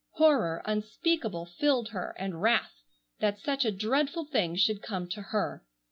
Horror unspeakable filled her, and wrath, that such a dreadful thing should come to her.